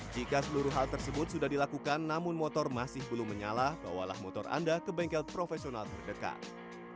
jika seluruh hal tersebut sudah dilakukan namun motor masih belum menyala bawalah motor anda ke bengkel profesional terdekat